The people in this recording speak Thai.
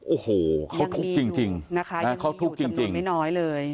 โอ้โหเขาทุกข์จริงนะคะยังมีอยู่จำนวนไม่น้อยเลย